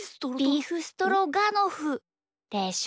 ビーフストロガノフでしょ。